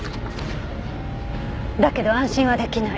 「だけど安心はできない。